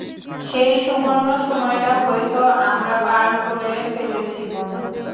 সেই সুবর্ণ সময়টা হয়তো আমরা পার করে ফেলেছি, বন্ধু।